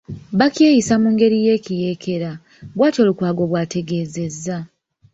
Bakyeyisa mu ngeri y'ekiyeekera; bwatyo Lukwago bw'ategeezezza.